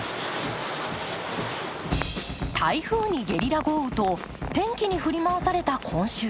台風にゲリラ豪雨と天気に振り回された今週。